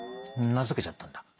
名付けちゃった。